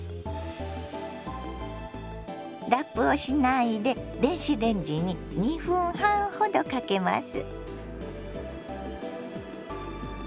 ラップをしないで電子レンジに２分半ほどかけます。